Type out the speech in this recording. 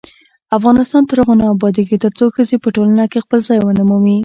افغانستان تر هغو نه ابادیږي، ترڅو ښځې په ټولنه کې خپل ځای ونه مومي.